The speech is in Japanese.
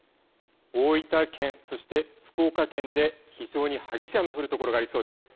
大分県、そして福岡県で非常に激しい雨の降る所がありそうです。